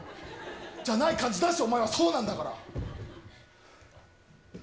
じゃない感じ出して、お前はそうなんだから。